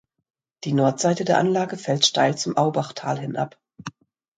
Die Nordseite der Anlage fällt steil zum Aubachtal hin ab.